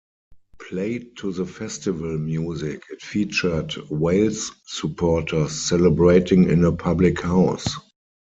Played to the "Festival" music, it featured Wales supporters celebrating in a public house.